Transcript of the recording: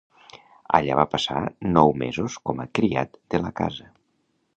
Allà va passar nou mesos com a criat de la casa.